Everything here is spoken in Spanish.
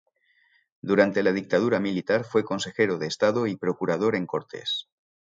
Durante la dictadura militar fue consejero de Estado y procurador en Cortes.